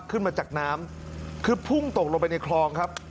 ขึ้นมาจากน้ำคือพุ่งตกลงไปในคลองครับ